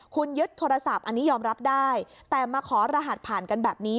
คุณยึดโทรศัพท์อันนี้ยอมรับได้แต่มาขอรหัสผ่านกันแบบนี้